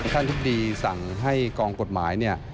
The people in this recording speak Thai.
ท่านอธิบดีสั่งให้กองกฎหมายเนี่ย